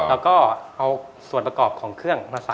แล้วก็เอาส่วนประกอบของเครื่องมาใส่